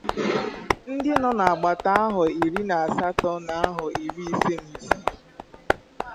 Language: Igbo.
ndị nọ n'agbata ahọ iri na asatọ na ahọ iri ise na isii.